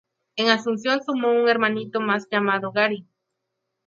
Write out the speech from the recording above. En Asunción sumo un hermanito más llamado Gary.